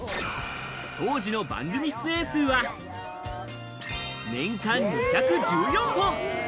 当時の番組出演数は年間２１４本。